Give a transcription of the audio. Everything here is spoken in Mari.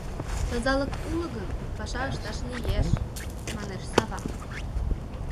— Тазалык уло гын, паша ышташ лиеш, — манеш Сава.